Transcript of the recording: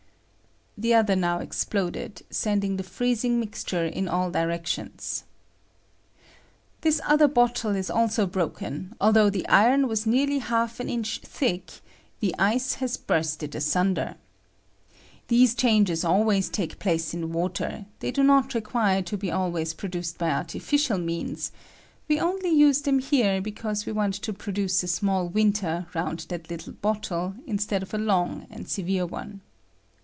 [The other now exploded, sending the freezing mixture in all directions.] This other bottle is also broken ; although the iron was nearly half an inch thick, the ice has burst it asimder. These changes always take place in ■water ; they do not require to be always pro duced by artificial means ; we only use them here because we want to produce a small winter round that httle bottle instead of a long and severe one.